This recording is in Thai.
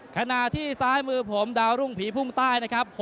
ขณะที่ซ้ายมือผมดาวรุ่งผีพุ่งใต้นะครับ